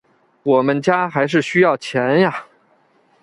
我们家还是需要钱啊